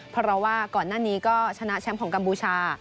เพราะว่าก่อนหน้านี้ก็ชนะแชมป์ของกัมพูชา